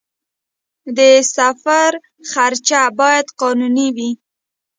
د سفر خرڅ باید قانوني وي